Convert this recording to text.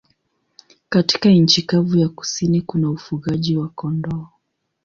Katika nchi kavu ya kusini kuna ufugaji wa kondoo.